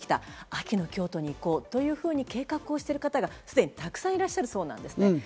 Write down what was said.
秋の京都に行こうと計画してる方がすでにたくさんいらっしゃるそうなんです。